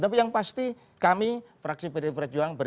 tapi yang pasti kami fraksi pdi perjuangan